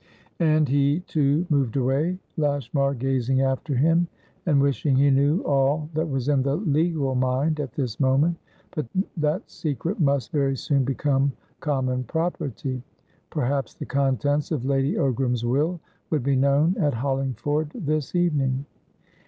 And he too moved away, Lashmar gazing after him, and wishing he knew all that was in the legal mind at this moment. But that secret must very soon become common property. Perhaps the contents of Lady Ogram's will would be known at Hollingford this evening.